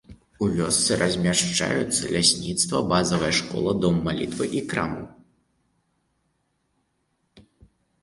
У вёсцы размяшчаюцца лясніцтва, базавая школа, дом малітвы і краму.